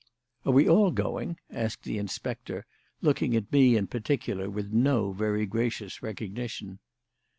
"Are we all going?" asked the inspector, looking at me in particular with no very gracious recognition.